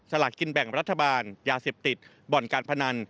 ลากกินแบ่งรัฐบาลยาเสพติดบ่อนการพนัน